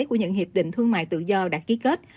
của những hiệp định thương mại tự do đã ký kết